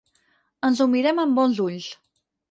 Ens ho mirem amb bons ulls.